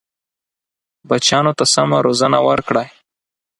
بچیانو ته سمه روزنه ورکړئ.